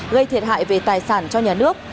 gây thiệt hại về tài sản cho nhà nước